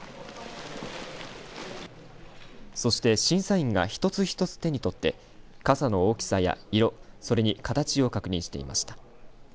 そして、審査員が一つ一つ手に取ってかさの大きさや色それに形を確認していました。